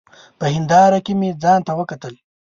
په هېنداره کي مي ځانته وکتل !